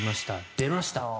出ました。